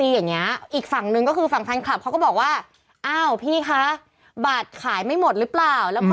อีกฝั่งซึ่งก็คือฟังแฟนคลับเขาก็บอกว่าเอ้าพี่คะบาตรขายไม่หมดรึเปล่า